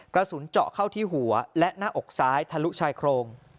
กระสุนเจาะเข้าที่หัวและหน้าอกซ้ายทะลุชายโครง